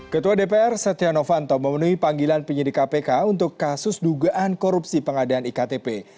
ketua dpr setia novanto memenuhi panggilan penyidik kpk untuk kasus dugaan korupsi pengadaan iktp